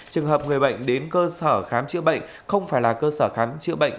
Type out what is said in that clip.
trường hợp người bệnh đến cơ sở khám chữa bệnh không phải là cơ sở khám chữa bệnh